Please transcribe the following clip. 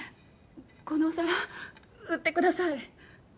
このお皿売ってください。